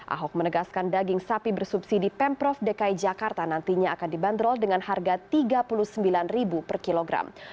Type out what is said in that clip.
ahok menegaskan daging sapi bersubsidi pemprov dki jakarta nantinya akan dibanderol dengan harga rp tiga puluh sembilan per kilogram